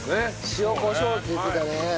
塩コショウって言ってたね。